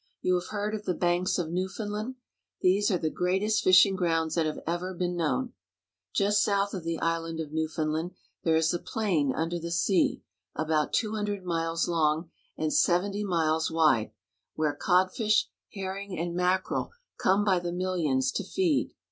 You have heard of the banks of Newfoundland. These are the greatest fishing grounds that have ever been known. Just south of the island of Newfoundland there is a plain under the sea, about two hundred miles long and seventy miles wide, where codfish, herring, and mackerel come by the millions to feed.